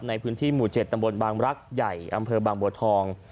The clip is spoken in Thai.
ในพื้นที่หมู่๗ตำบลบางรักใหญ่อำเภอบางบัวทอง